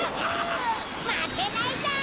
負けないぞ！